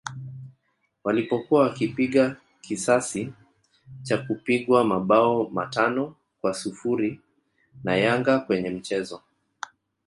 walipokuwa wakipiga kisasi cha kupigwa mabao matano kwa sifuri na Yanga kwenye mchezo